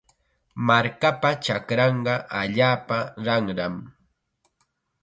Markapa chakranqa allaapa ranram.